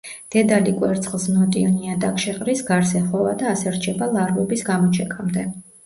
დედალი კვერცხს ნოტიო ნიადაგში ყრის, გარს ეხვევა და ასე რჩება ლარვების გამოჩეკამდე.